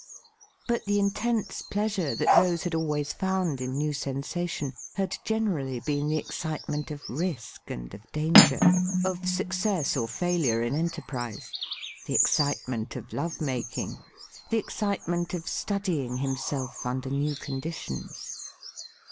But the intense pleasure that Rose had always found in new sensation had generally been the excitement of risk and of danger ; of success or failure in enterprise ; the excitement of love making; the excitement of studying himself under new conditions.